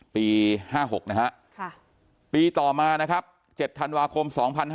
ปี๕๖นะฮะปีต่อมานะครับ๗ธันวาคม๒๕๕๙